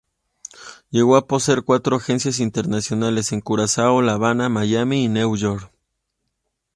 Llegó a poseer cuatro agencias internacionales: en Curazao, La Habana, Miami y Nueva York.